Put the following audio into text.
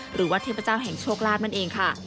หรือวัดเทพเจ้าแห่งโชคลาภนั่นเองค่ะ